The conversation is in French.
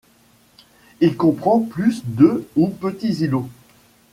Il comprend plus de ou petits îlots.